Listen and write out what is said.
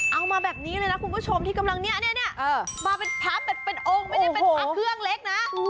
เอามาแบบนี้เลยนะคุณผู้ชมที่กำลังเนี่ยมาเป็นพระเป็นองค์ไม่ได้เป็นพระเครื่องเล็กนะ